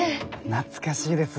懐かしいです。